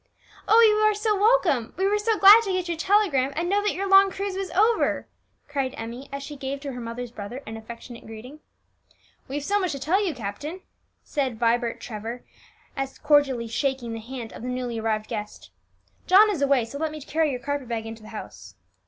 "Oh, you are so welcome; we were so glad to get your telegram and know that your long cruise was over!" cried Emmie as she gave to her mother's brother an affectionate greeting. "We've so much to tell you, captain," said Vibert Trevor, cordially shaking the hand of the newly arrived guest. "John is away, so let me carry your carpet bag into the house."